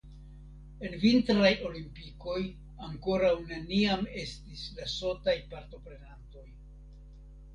En vintraj olimpikoj ankoraŭ neniam estis Lesotaj partoprenantoj.